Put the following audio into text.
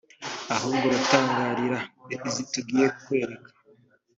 ahubwo utangarira izi tugiye kukwereka